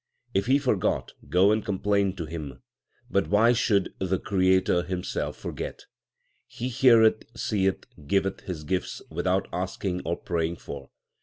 If He forget, go and complain to Him ; but why should the Creator Himself forget ? He heareth, seeth, giveth His gifts without asking or praying for.